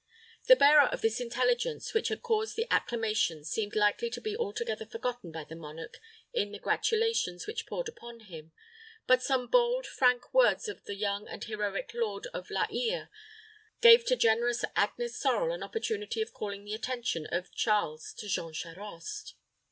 The bearer of the intelligence which had caused the acclamation seemed likely to be altogether forgotten by the monarch in the gratulations which poured upon him; but some bold, frank words of the young and heroic lord of La Hire gave to generous Agnes Sorel an opportunity of calling the attention of Charles to Jean Charost.